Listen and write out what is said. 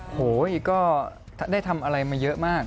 โหก็ได้ทำอะไรมาเยอะมาก